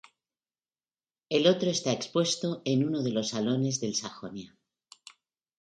El otro está expuesto en uno de los salones del "Sajonia".